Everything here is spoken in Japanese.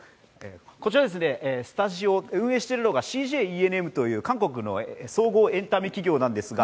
こちらスタジオを運営しているのがＣＪＥＮＭという韓国の総合エンタメ企業なんですが、